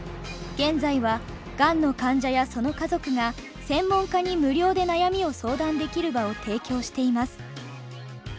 現在はがんの患者やその家族が専門家に無料で悩みを相談できる場を提供しています。